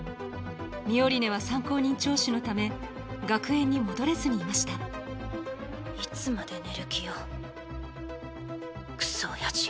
ミオリネは参考人聴取のため学園に戻れずにいましたいつまで寝る気よクソおやじ。